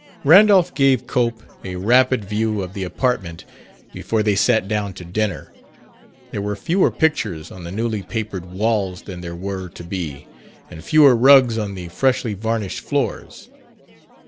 Randolph gave Cope a rapid view of the apartment before they sat down to dinner. There were fewer pictures on the newly papered walls than there were to be, and fewer rugs on the freshly varnished floors.